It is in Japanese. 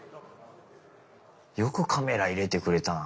よくカメラ入れてくれたな。